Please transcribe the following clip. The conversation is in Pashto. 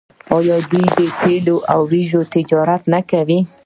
آیا دوی د تیلو او وریجو تجارت نه کوي؟